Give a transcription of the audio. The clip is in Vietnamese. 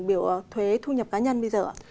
biểu thuế thu nhập cá nhân bây giờ ạ